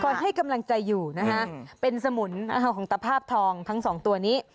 ให้กำลังใจอยู่นะฮะเป็นสมุนของตะภาพทองทั้งสองตัวนี้